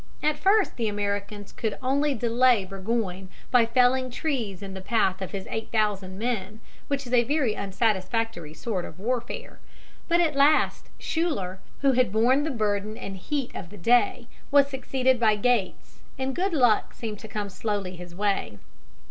At first the Americans could only delay Burgoyne by felling trees in the path of his eight thousand men, which is a very unsatisfactory sort of warfare, but at last Schuyler, who had borne the burden and heat of the day, was succeeded by Gates, and good luck seemed to come slowly his way.